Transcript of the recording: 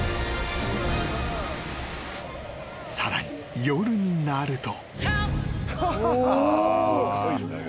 ［さらに夜になると］